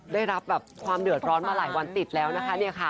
ได้รับความเดือดร้อนมาหลายวันติดแล้วนะคะ